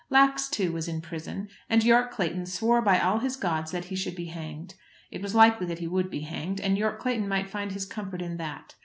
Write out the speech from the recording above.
Lax, too, was in prison, and Yorke Clayton swore by all his gods that he should be hanged. It was likely that he would be hanged, and Yorke Clayton might find his comfort in that.